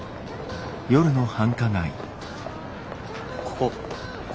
ここ。